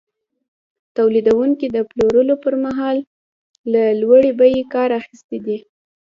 تولیدونکي د پلورلو پر مهال له لوړې بیې کار اخیستی دی